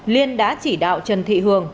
liên đã chỉ đạo trần thị hường